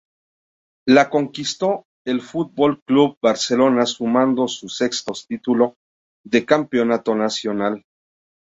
La conquistó el Fútbol Club Barcelona sumando su sexto título de campeón nacional.